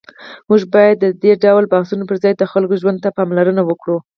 موږ باید د دې ډول بحثونو پر ځای د خلکو ژوند ته پاملرنه وکړو.